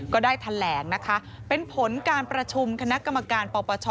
ก็ได้แถลงนะคะเป็นผลการประชุมคณะกรรมการปปช